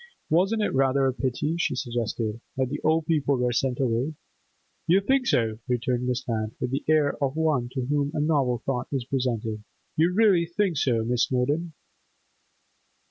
'Wasn't it rather a pity,' she suggested, 'that the old people were sent away?' 'You think so?' returned Miss Lant, with the air of one to whom a novel thought is presented. 'You really think so, Miss Snowdon?